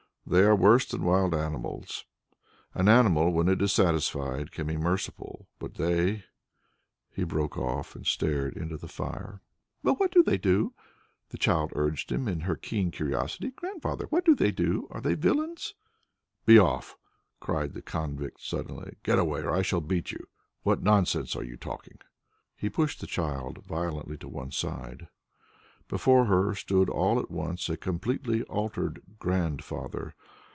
They are worse than wild animals. An animal, when it is satisfied, can be merciful, but they " He broke off and stared into the fire. "Well, what do they do?" the child urged him in her keen curiosity. "Grandfather, what do they do? Are they villains?" "Be off," cried the convict suddenly. "Get away, or I shall beat you. What nonsense are you talking?" He pushed the child violently to one side. Before her stood all at once a completely altered "grandfather."